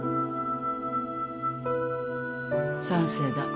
賛成だ。